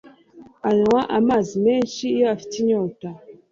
Anywa amazi menshi iyo afite inyota